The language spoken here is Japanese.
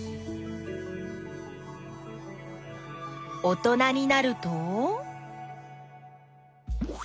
おとなになると？